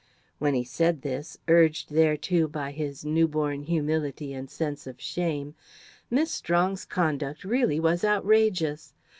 When he said this, urged thereto by his new born humility and sense of shame, Miss Strong's conduct really was outrageous.